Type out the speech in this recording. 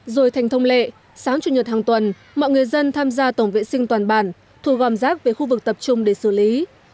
rồi thành thông lệ sáng chủ nhật hàng tuần mọi người dân tham gia tổng vệ sinh toàn bản thu gom rác về khu vực tập trung để xử lý